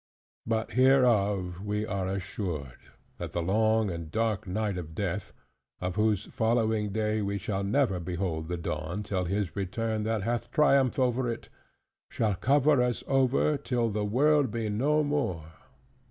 But hereof we are assured, that the long and dark night of death (of whose following day we shall never behold the dawn till his return that hath triumphed over it), shall cover us over till the world be no more.